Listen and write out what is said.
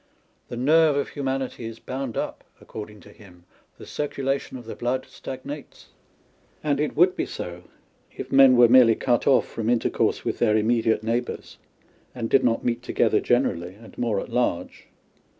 The nerve of humanity is bound up, according to him â€" the circulation of the blood stagnates. And it would be so, if men were merely cut off from intercourse with their immediate neighbours, and did not meet together generally and more at large.